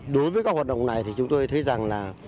đối với các hoạt động này thì chúng tôi thấy rằng là